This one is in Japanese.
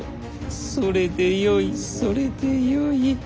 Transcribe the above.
それでよいそれでよい。